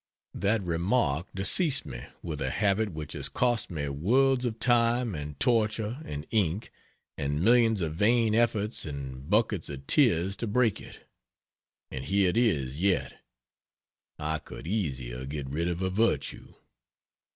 That remark diseased me with a habit which has cost me worlds of time and torture and ink, and millions of vain efforts and buckets of tears to break it, and here it is yet I could easier get rid of a virtue.....